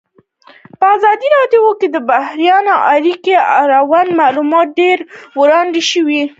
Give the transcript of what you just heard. په ازادي راډیو کې د بهرنۍ اړیکې اړوند معلومات ډېر وړاندې شوي.